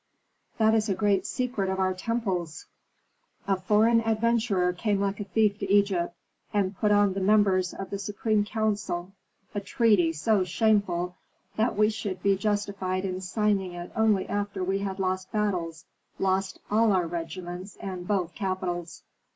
"That is a great secret of our temples " "A foreign adventurer came like a thief to Egypt, and put on the members of the supreme council a treaty so shameful that we should be justified in signing it only after we had lost battles, lost all our regiments and both capitals.